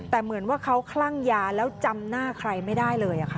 แต่เหมือนว่าเขาคลั่งยาแล้วจำหน้าใครไม่ได้เลยค่ะ